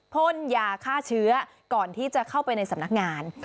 พ่นยาฆ่าเชื้อก่อนที่จะเข้าไปในสำนักงาน